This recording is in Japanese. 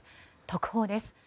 特報です。